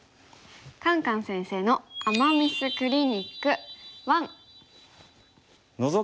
「カンカン先生の“アマ・ミス”クリニック１」。